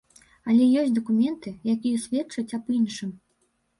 Але ёсць дакументы, якія сведчаць аб іншым.